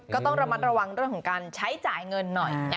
ก็ต้องระมัดระวังเรื่องของการใช้จ่ายเงินหน่อย